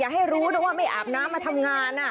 อย่าให้รู้ว่าไม่อาบน้ำมาทำงานอ่ะ